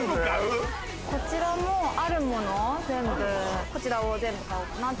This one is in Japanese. こちらも、あるもの全部。